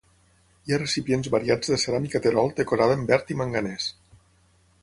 Hi ha recipients variats de ceràmica Terol decorada en verd i manganès.